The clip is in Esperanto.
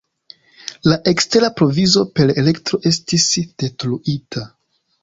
La ekstera provizo per elektro estis detruita.